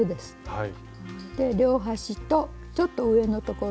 はい。